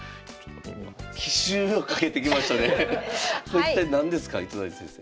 これ一体何ですか糸谷先生。